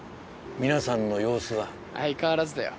皆さんの様子は相変わらずだよ